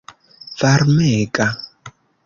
varmega